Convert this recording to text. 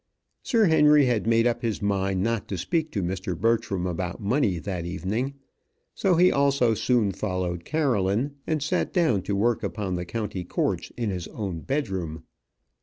Sir Henry had made up his mind not to speak to Mr. Bertram about money that evening; so he also soon followed Caroline, and sat down to work upon the County Courts in his own bedroom.